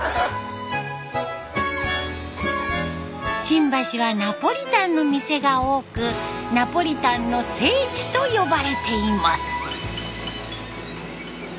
新橋はナポリタンの店が多くナポリタンの聖地と呼ばれています。